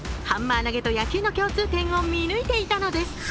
ハンマー投げと野球の共通点を見抜いていたのです。